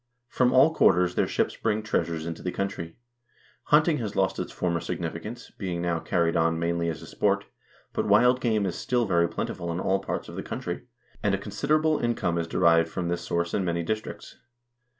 From all quarters their ships bring treasures into the country." Hunting has lost its former significance, being now carried on mainly as a sport, but wild game is still very plentiful in all parts of the country, and a consider able income is derived from this source in many districts.